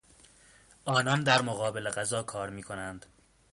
آنان در مقابل غذا کار میکنند.